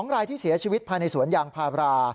๒รายที่เสียชีวิตภายในสวนยางพารา